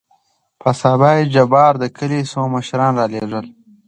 په سبا يې جبار دکلي څو مشران رالېږل.